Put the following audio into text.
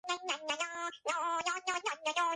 დასავლეთით ესაზღვრება ბოიაკის დეპარტამენტი.